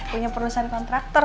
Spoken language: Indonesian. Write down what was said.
punya perusahaan kontraktor